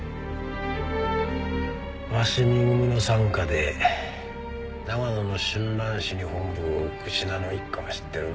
鷲見組の傘下で長野の春蘭市に本部を置く信濃一家は知ってるな？